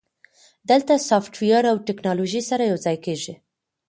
دلته سافټویر او ټیکنالوژي سره یوځای کیږي.